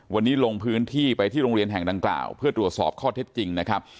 วันนี้ลงพื้นที่ไปที่โรงเรียนแห่งดังกล่าวเพื่อตรวจสอบข้อเท็จจริงนะครับ